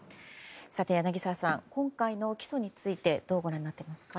柳澤さん、今回の起訴についてどうご覧になっていますか？